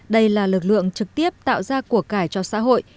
đây là lực lượng trực tiếp tạo ra cuộc cải cho xã hội